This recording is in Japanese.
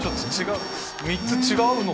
３つ違うのか。